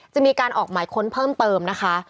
จะมีการออกหมายค้นเพิ่มเติมนะคะ